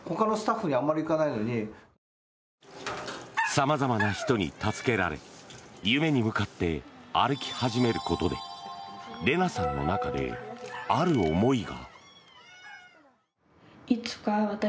様々な人に助けられ夢に向かって歩き始めることでレナさんの中で、ある思いが。